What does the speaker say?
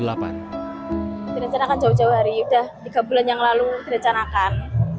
tidak canakan jauh jauh hari sudah tiga bulan yang lalu tidak canakan